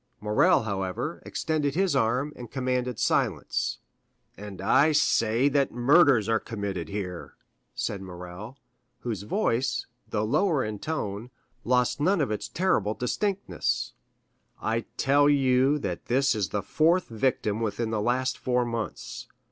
Morrel, however, extended his arm, and commanded silence. "And I say that murders are committed here," said Morrel, whose voice, though lower in tone, lost none of its terrible distinctness: "I tell you that this is the fourth victim within the last four months.